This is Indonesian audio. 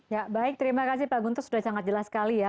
ya baik terima kasih pak guntur sudah sangat jelas sekali ya